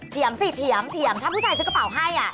สิเถียงถ้าผู้ชายซื้อกระเป๋าให้